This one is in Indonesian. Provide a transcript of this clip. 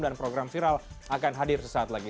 dan program viral akan hadir sesaat lagi